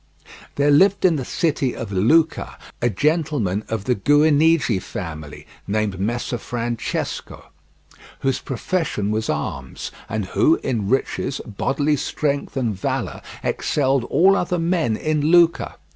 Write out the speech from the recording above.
There lived in the city of Lucca a gentleman of the Guinigi family, named Messer Francesco, whose profession was arms and who in riches, bodily strength, and valour excelled all other men in Lucca.